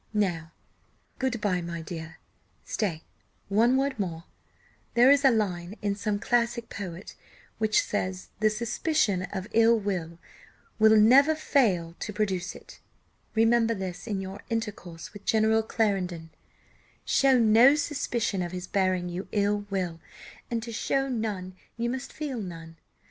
Now good bye, my dear; stay, one word more there is a line in some classic poet, which says 'the suspicion of ill will never fails to produce it' Remember this in your intercourse with General Clarendon; show no suspicion of his bearing you ill will, and to show none, you must feel none.